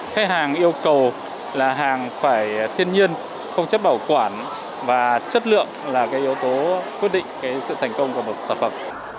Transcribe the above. khách hàng yêu cầu là hàng phải thiên nhiên không chất bảo quản và chất lượng là cái yếu tố quyết định sự thành công của một sản phẩm